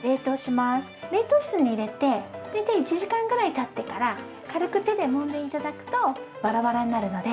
冷凍室に入れて大体１時間ぐらい経ってから軽く手でもんで頂くとバラバラになるので。